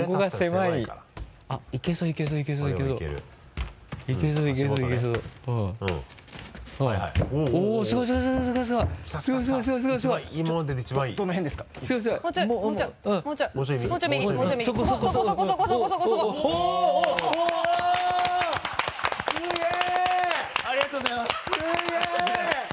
いやっありがとうございます！